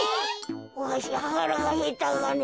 わしゃはらがへったがね。